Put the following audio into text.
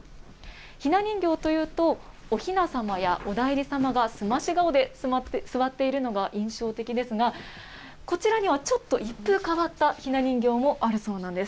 ひな人形というと、おひなさまやお内裏様がすまし顔で座っているのが印象的ですが、こちらには、ちょっと一風変わったひな人形もあるそうなんです。